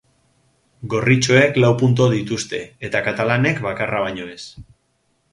Gorritxoek lau puntu dituzte eta katalanek bakarra baino ez.